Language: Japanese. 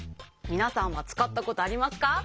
みなさんはつかったことありますか？